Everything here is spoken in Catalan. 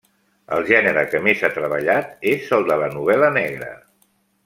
El gènere que més ha treballat és el de la novel·la negra.